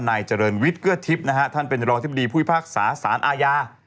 นายเจริญวิทเกอร์ทิพย์ท่านเป็นรองทฤษฎีภูมิภาคศาสตร์สารอาญา